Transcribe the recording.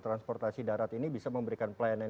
transportasi darat ini bisa memberikan pelayanan